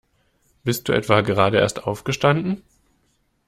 Bist du etwa gerade erst aufgestanden?